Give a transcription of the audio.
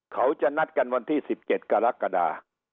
เขาจะนัดกันวันที่๑๗กรกฎา